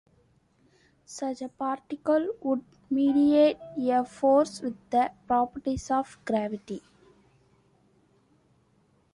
Such a particle would mediate a force with the properties of gravity.